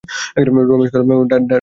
রমেশ কহিল, ডাকিলেই বা দোষ কী কমলা?